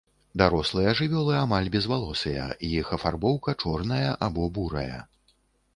Дарослыя жывёлы амаль безвалосыя, іх афарбоўка чорная або бурая.